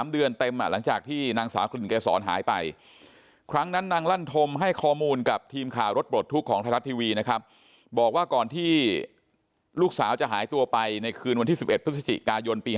เต็มหลังจากที่นางสาวกลิ่นเกษรหายไปครั้งนั้นนางลั่นธมให้ข้อมูลกับทีมข่าวรถปลดทุกข์ของไทยรัฐทีวีนะครับบอกว่าก่อนที่ลูกสาวจะหายตัวไปในคืนวันที่๑๑พฤศจิกายนปี๒๕